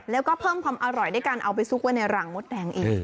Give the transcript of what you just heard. แล้วก็เพิ่มความอร่อยด้วยการเอาไปซุกไว้ในรังมดแดงเอง